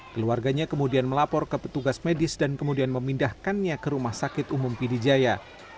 keluarganya kemudian melapor ke petugas medis dan kemudian memindahkannya ke rumah sakit umum pidijaya